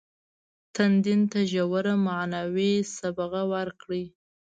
تدین ته ژوره معنوي صبغه ورکړي.